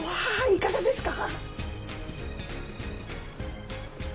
いかがですか？